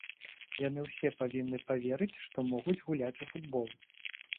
Яны ўсе павінны паверыць, што могуць гуляць у футбол.